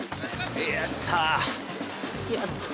やったー！